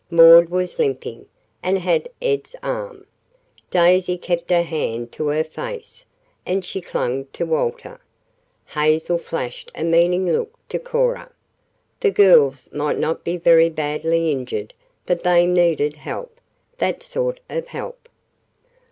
Maud was limping, and had Ed's arm. Daisy kept her hand to her face, and she clung to Walter. Hazel flashed a meaning look to Cora. The girls might not be very badly injured, but they needed help that sort of help.